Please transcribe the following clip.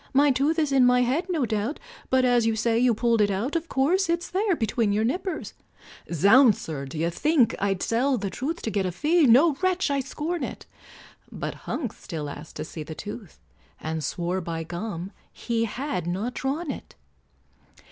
My tooth is in my head no doubt, But, as you say you pulled it out, Of course it's there between your nippers," "Zounds, sir! d'ye think I'd sell the truth To get a fee? no, wretch, I scorn it!" But Hunks still asked to see the tooth, And swore by gum! he had not drawn it.